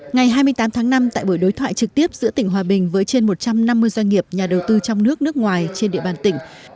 ngày hai mươi tám tháng năm tại buổi đối thoại trực tiếp giữa tỉnh hòa bình với trên một trăm năm mươi doanh nghiệp nhà đầu tư trong nước nước ngoài trên địa bàn tỉnh